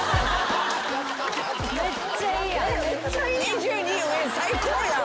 ２２上最高やん。